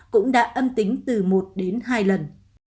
cũng đã âm tính từ một đến hai lần